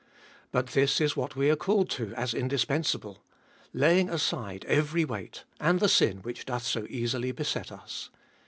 But this is what we are called to as indispensable : Laying aside every weight, and the sin which doth so easily beset us.